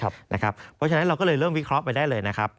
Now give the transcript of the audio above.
เพราะฉะนั้นเราก็เลยเริ่มวิเคราะห์ไปได้เลยนะครับ